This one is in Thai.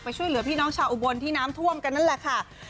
ช่วยเหลือพี่น้องชาวอุบลที่น้ำท่วมกันนั่นแหละค่ะ